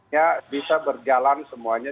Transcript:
ya bisa berjalan semuanya